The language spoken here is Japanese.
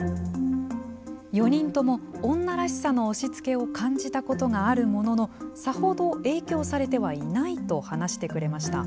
４人とも、女らしさの押しつけを感じたことがあるもののさほど影響されてはいないと話してくれました。